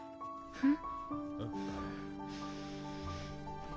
うん。